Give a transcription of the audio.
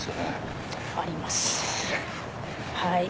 はい。